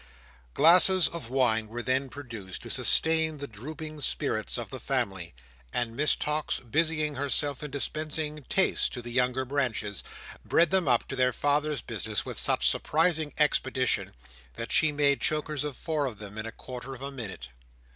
Glasses of wine were then produced, to sustain the drooping spirits of the family; and Miss Tox, busying herself in dispensing "tastes" to the younger branches, bred them up to their father's business with such surprising expedition, that she made chokers of four of them in a quarter of a minute.